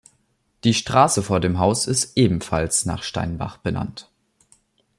Die Straße vor dem Haus ist ebenfalls nach Steinbach benannt.